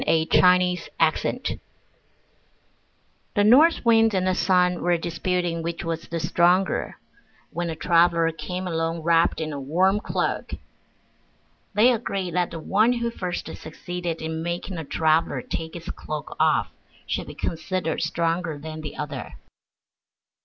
Orthographic version The North Wind and the Sun were disputing which was the stronger, when a traveler came along wrapped in a warm cloak. They agreed that the one who first succeeded in making the traveler take his cloak off should be considered stronger than the other.